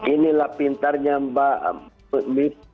inilah pintarnya mbak mip